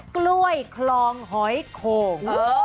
กล้วยคลองหอยโข่ง